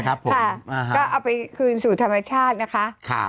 ก็เอาไปคืนสู่ธรรมชาตินะคะ